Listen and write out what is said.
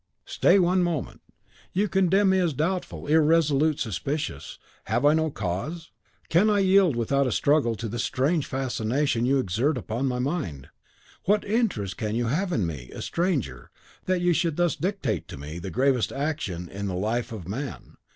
"Stay one moment! You condemn me as doubtful, irresolute, suspicious. Have I no cause? Can I yield without a struggle to the strange fascination you exert upon my mind? What interest can you have in me, a stranger, that you should thus dictate to me the gravest action in the life of man?